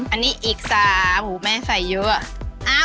อันนี้อีก๓หมูแม่ใส่เยอะ